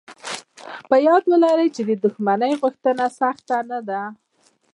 په ياد ولرئ چې د شتمنۍ غوښتل سخت نه دي.